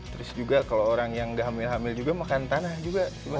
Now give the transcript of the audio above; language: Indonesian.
terus juga kalau orang yang gak hamil hamil juga makan tanah juga